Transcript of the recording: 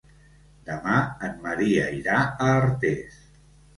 Demà en Maria irà a Artés.